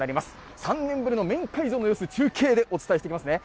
３年ぶりのメイン会場の様子、中継でお伝えしていきますね。